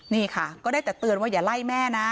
นี่ค่ะก็ได้แต่เตือนว่าอย่าไล่แม่นะ